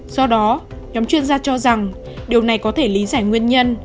do đó nhóm chuyên gia cho rằng điều này có thể lý giải nguyên nhân